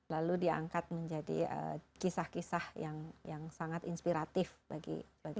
lalu diangkat menjadi kisah kisah yang sangat inspiratif bagi kita